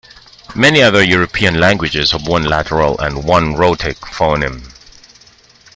Many other European languages have one lateral and one rhotic phoneme.